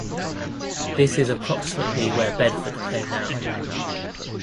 This is approximately where Bedford play now.